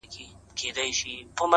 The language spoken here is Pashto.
o یار له جهان سره سیالي کوومه ښه کوومه,